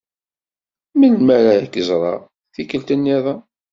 Melmi ara k-ẓreɣ tikkelt niḍen?